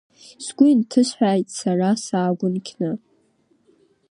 Сгәы инҭысҳәааит сара саагәынқьны.